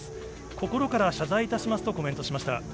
心から謝罪いたしますとコメントしました。